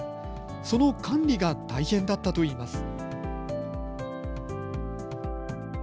その管理が大変だったといいます。